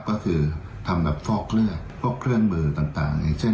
ก็คือทำแบบฟอกเลือดฟอกเครื่องมือต่าง